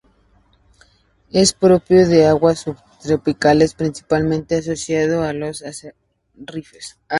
Es propio de aguas subtropicales, principalmente asociado a los arrecifes.